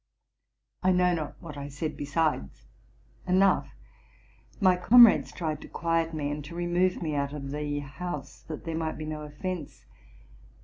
"' T know not what I said besides: enough, my comrades tried to quiet me and to remove me out of the house, that there might be no offence.